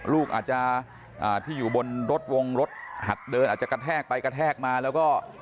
ลูกอาจจะที่อยู่บนรถวงรถหัดเดินอาจจะกระแทกไปกระแทกมาแล้วก็